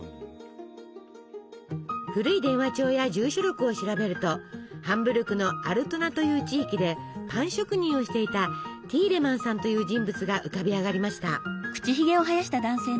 古い電話帳や住所録を調べるとハンブルクのアルトナという地域でパン職人をしていたティーレマンさんという人物が浮かび上がりました。